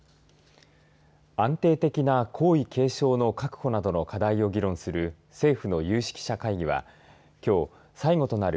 安定的な皇位継承の確保などの課題を議論する政府の有識者会議はきょう最後となる